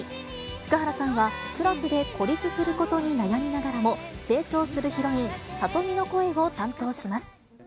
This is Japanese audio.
福原さんはクラスで孤立することに悩みながらも成長するヒロイン、サトミの声を担当します。